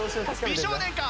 美少年か？